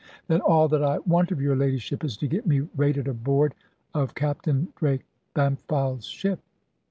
"Then all that I want of your ladyship is to get me rated aboard of Captain Drake Bampfylde's ship."